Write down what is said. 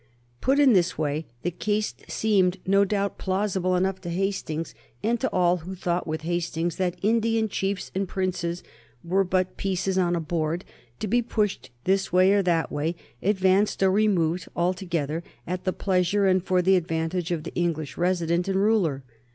Put in this way the case seemed, no doubt, plausible enough to Hastings, and to all who thought with Hastings that Indian chiefs and princes were but pieces on a board, to be pushed this way or that way, advanced or removed altogether at the pleasure and for the advantage of the English resident and ruler.